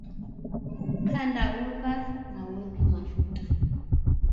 kanda unga na weka mafuta